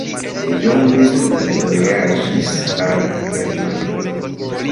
Li longe studvojaĝis al Germanio.